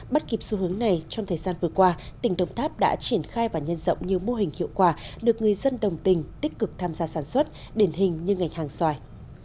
bắt kịp xu hướng này trong thời gian vừa qua tỉnh đồng tháp đã triển khai và nhân rộng nhiều mô hình hiệu quả được người dân đồng tình tích cực tham gia sản xuất đền hình như ngành hàng xoài